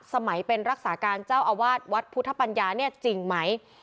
สมัยเป็นรักษาการเจ้าอาวาสวัดพุทธปัญญาเนี่ยจริงไหม